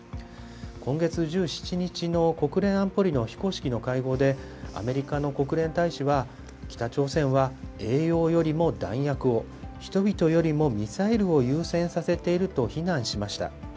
今月１７日の国連安保理の非公式の会合で、アメリカの国連大使は、北朝鮮は栄養よりも弾薬を、人々よりもミサイルを優先させていると非難しました。